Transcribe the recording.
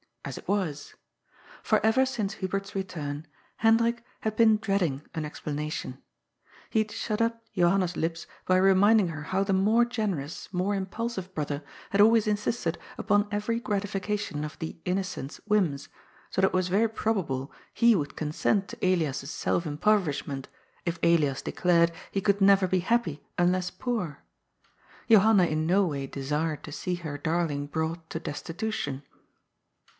As it was. For ever since Hubert's return, Hendrik had been dreading an explanation. He had shut Johanna's lips by reminding her how the more generous, more impulsive brother had always insisted upon every gratification of the " innocent's " whims, so that it was very probable he would consent to Elias's self impoverishment, if Elias declared he could never be happy, unless poor. Johanna in no way desired to see her darling brought to destitution.